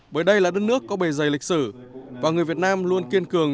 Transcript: bởi đây là đất nước có bề dày lịch sử và người việt nam luôn kiên cường